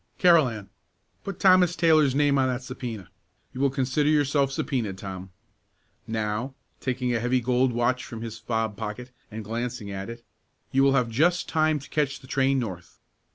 "Carolan, put Thomas Taylor's name on that subpœna. You will consider yourself subpœnaed, Tom. Now," taking a heavy gold watch from his fob pocket and glancing at it, "you will have just time to catch the train north."